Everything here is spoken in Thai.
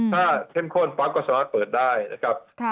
ถ้าเข้มข้นปั๊บก็สามารถเปิดได้นะครับ